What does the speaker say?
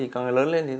càng lớn lên